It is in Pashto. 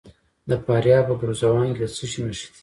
د فاریاب په ګرزوان کې د څه شي نښې دي؟